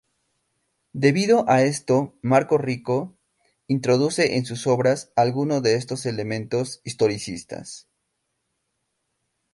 Debido a esto Marcos Rico, introduce en sus obras algunos de esos elementos historicistas.